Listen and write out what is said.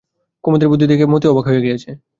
কুমুদের বুদ্ধি দেখিয়া মতি অবাক হইয়া গিয়াছে।